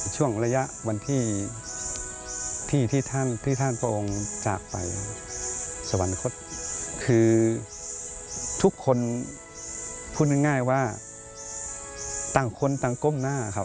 ช่วงระยะวันที่ที่ท่านที่ท่านพระองค์จากไปสวรรคตคือทุกคนพูดง่ายว่าต่างคนต่างก้มหน้าครับ